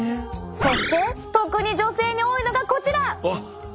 そして特に女性に多いのがこちら！